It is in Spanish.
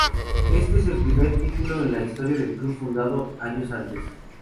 Este es el primer título en la historia del club fundado dos años antes.